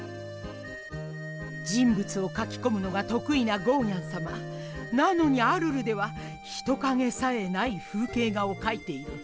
人ぶつを描きこむのがとくいなゴーギャンさまなのにアルルでは人かげさえない風けい画を描いている。